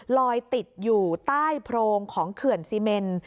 ลอยติดอยู่ใต้โพรงของเขื่อนซีเมน